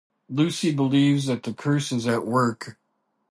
Lucy believes that the curse is at work.